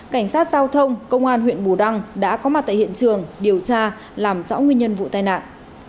cảnh sát giao thông công an huyện bù đăng đã có mặt tại hiện trường điều tra làm rõ nguyên nhân vụ tai nạn